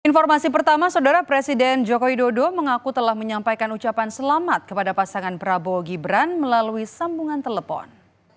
informasi pertama saudara presiden jokowi dodo mengaku telah menyampaikan ucapan selamat kepada pasangan prabowo gibran melalui sambungan telepon